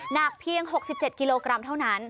หนักเพียง๖๗กิโลกรัมเท่านั้น